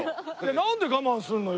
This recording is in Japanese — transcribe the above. なんで我慢するのよ？